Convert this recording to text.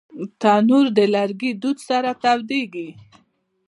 تنور د لرګي دود سره تودېږي